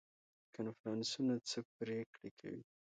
کنفرانسونه څه پریکړې کوي؟